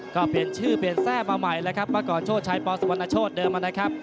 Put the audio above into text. ก็เปลี่ยนชื่อเปลี่ยนแทรฟมาใหม่นะครับเพราะก่อนโชชัยประสบรรณาโชทเหมือนเดิมนะครับ